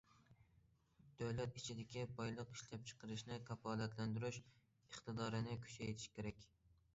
دۆلەت ئىچىدىكى بايلىق ئىشلەپچىقىرىشنى كاپالەتلەندۈرۈش ئىقتىدارىنى كۈچەيتىش كېرەك.